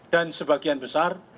dan sebagian besar